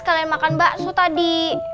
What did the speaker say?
kalian makan bakso tadi